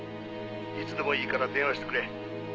「いつでもいいから電話してくれ。